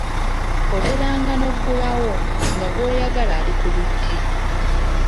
Oteranga n’oggulawo, nga gw'oyagala ali ku luggi.